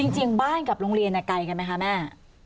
จริงบ้านกับโรงเรียนไกลกันไหมคะแม่